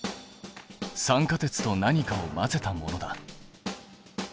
酸化鉄と何かを混ぜたものだ。